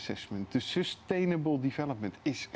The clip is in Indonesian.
pembangunan yang berkelanjutan